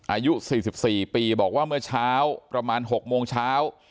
อายุ๔๔ปีบอกว่าเมื่อเช้าประมาณ๖โมงเช้า